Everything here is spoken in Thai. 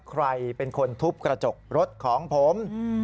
ใครเป็นคนทุบกระจกรถของผม